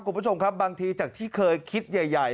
คุณผู้ชมครับบางทีจากที่เคยคิดใหญ่